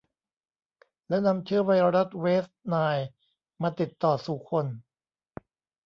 แล้วนำเชื้อไวรัสเวสต์ไนล์มาติดต่อสู่คน